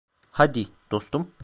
Hadi, dostum.